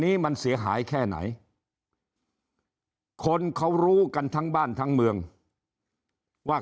นี้มันเสียหายแค่ไหนคนเขารู้กันทั้งบ้านทั้งเมืองว่า